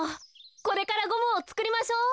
これからゴムをつくりましょう。